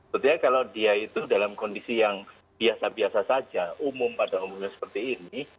sebetulnya kalau dia itu dalam kondisi yang biasa biasa saja umum pada umumnya seperti ini